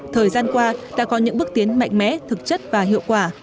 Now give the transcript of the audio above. thời gian qua đã có những bước tiến mạnh mẽ thực chất và hiệu quả